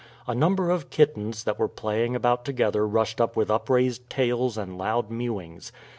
A number of kittens that were playing about together rushed up with upraised tails and loud mewings.